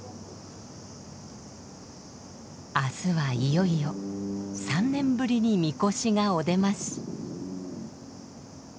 明日はいよいよ３年ぶりに神輿がお出まし。